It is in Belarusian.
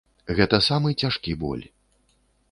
Гэта самы цяжкі боль.